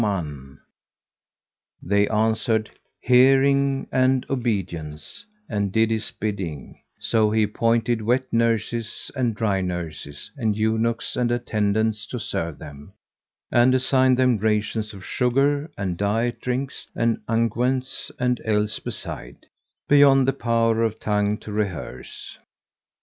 [FN#149] They answered "Hearing and obedience," and did his bidding; so he appointed wet nurses and dry nurses and eunuchs and attendants to serve them; and assigned them rations of sugar and diet drinks and unguents and else beside, beyond the power of tongue to rehearse.